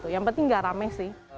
yang penting nggak rame sih